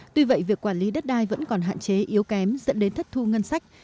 tuy vậy việc quản lý đất đai vẫn còn hạn chế yếu kém dẫn đến thất thu ngân sách